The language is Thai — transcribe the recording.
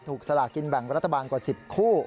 สลากินแบ่งรัฐบาลกว่า๑๐คู่